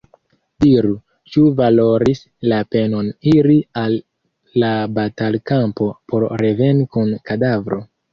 Diru, ĉu valoris la penon iri al la batalkampo por reveni kun kadavro?”